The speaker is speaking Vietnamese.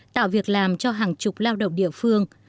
tạo việc làm cho hàng chục lao động địa phương